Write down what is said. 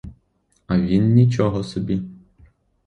А він нічого собі.